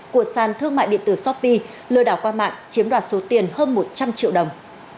của sàn thương mại điện tử shopee lừa đảo qua mạng chiếm đoạt số tiền hơn một trăm linh triệu đồng